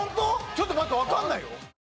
ちょっと待ってわかんないよ。